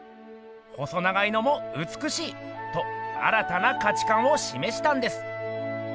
「細長いのもうつくしい！」と新たな価値観をしめしたんです。